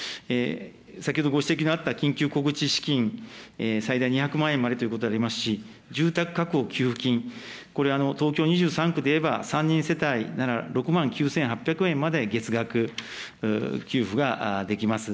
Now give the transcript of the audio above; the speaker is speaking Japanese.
先ほどご指摘のあった緊急小口資金、最大２００万円までということでありますし、住宅確保給付金、これ、東京２３区でいえば３人世帯なら６万９８００円まで月額給付ができます。